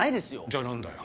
じゃあ何だよ？